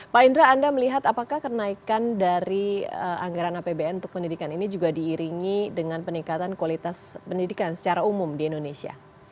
pak indra anda melihat apakah kenaikan dari anggaran apbn untuk pendidikan ini juga diiringi dengan peningkatan kualitas pendidikan secara umum di indonesia